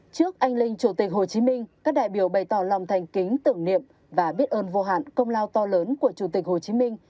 trước anh linh chủ tịch hồ chí minh các đại biểu bày tỏ lòng thành kính tưởng niệm và biết ơn vô hạn công lao to lớn của chủ tịch hồ chí minh